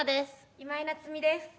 今井菜津美です。